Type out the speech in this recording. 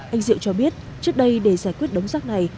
anh diệu cho biết trước đây để giải quyết đống rác này